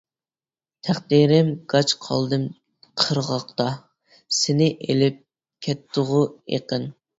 تەقدىرىم كاج قالدىم قىرغاقتا، سىنى ئېلىپ كەتتىغۇ ئېقىن.